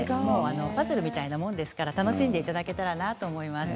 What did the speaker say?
パズルみたいなものですから楽しんでいただければと思います。